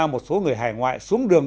một số người hải ngoại xuống đường